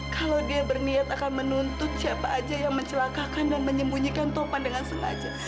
kalau dia berniat akan menuntut siapa aja yang mencelakakan dan menyembunyikan topan dengan sengaja